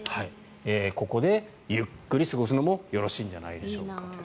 ここでゆっくり過ごすのもよろしいんじゃないでしょうかという。